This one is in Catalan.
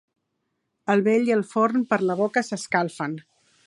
El vell i el forn per la boca s'escalfen.